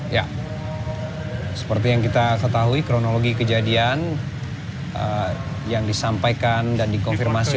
ya seperti yang kita ketahui kronologi kejadian yang disampaikan dan dikonfirmasi